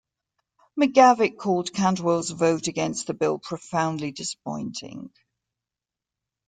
McGavick called Cantwell's vote against the bill "profoundly disappointing".